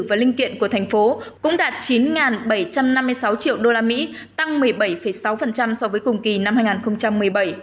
và linh kiện của thành phố cũng đạt chín bảy trăm năm mươi sáu triệu usd tăng một mươi bảy sáu so với cùng kỳ năm hai nghìn một mươi bảy